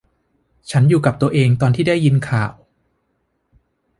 ฉันอยู่กับตัวเองตอนที่ได้ยินข่าว